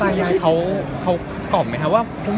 มีโครงการทุกทีใช่ไหม